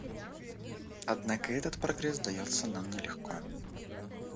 Однако этот прогресс дается нам нелегко.